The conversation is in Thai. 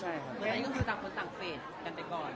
เหมือนต้องคุยกับคนต่างเฟสกันไปก่อน